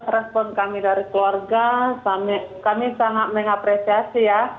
respon kami dari keluarga kami sangat mengapresiasi ya